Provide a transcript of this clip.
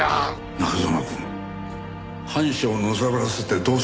中園くん反社をのさばらせてどうするんだ。